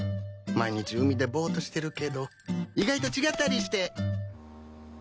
毎日海でぼーっとしてるけど意外と違ったりして！